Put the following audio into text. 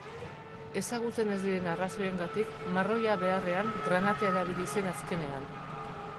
Ezagutzen ez diren arrazoiengatik marroia beharrean granatea erabili zen azkenean.